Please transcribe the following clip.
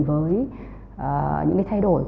với những cái thay đổi